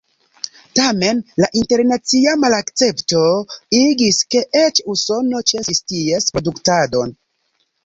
Tamen la internacia malakcepto igis, ke eĉ Usono ĉesis ties produktadon.